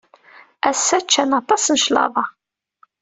Ass-a, ččan aṭas n cclaḍa.